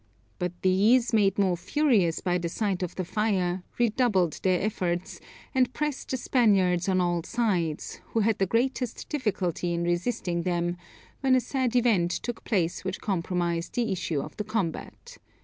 But these, made more furious by the sight of the fire, redoubled their efforts, and pressed the Spaniards on all sides, who had the greatest difficulty in resisting them, when a sad event took place which compromised the issue of the combat.